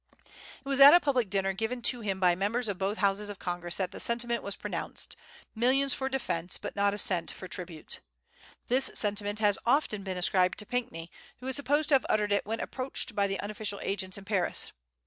It was at a public dinner given to him by members of both Houses of Congress that the sentiment was pronounced, "Millions for defence, but not a cent for tribute." This sentiment has often been ascribed to Pinckney, who is supposed to have uttered it when approached by the unofficial agents in Paris.